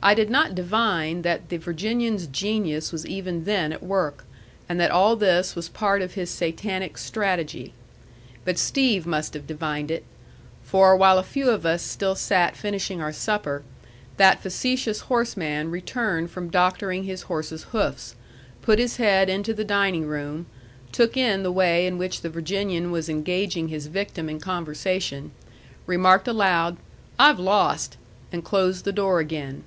I did not divine that the Virginian's genius was even then at work, and that all this was part of his satanic strategy. But Steve must have divined it. For while a few of us still sat finishing our supper, that facetious horseman returned from doctoring his horse's hoofs, put his head into the dining room, took in the way in which the Virginian was engaging his victim in conversation, remarked aloud, "I've lost!" and closed the door again.